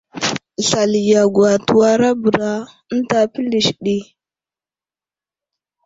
Slali yagwa təwarabəra ənta pəlis ɗi.